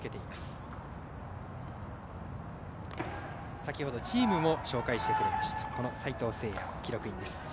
先ほどチームも紹介してくれました齊藤成隼記録員です。